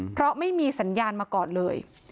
เพราะไม่มีสัญญาณมาก่อนเลย